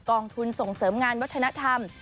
กองทุนส่งเสริมงานวัฒนธรรม